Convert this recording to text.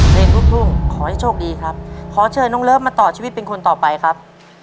เพลงลูกทุ่งขอให้โชคดีครับขอเชิญน้องเลิฟมาต่อชีวิตเป็นคนต่อไปครับ